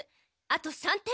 あと３点。